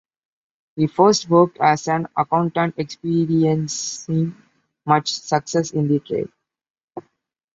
He first worked as an accountant, experiencing much success in the trade.